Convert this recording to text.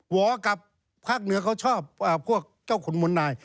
วอกับภาคเหนือเขาชอบพวกเจ้าขุนมุนนาย